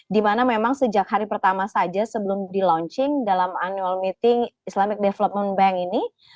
dimana memang sejak hari pertama saja sebelum di launching dalam annual meeting islamic development bank ini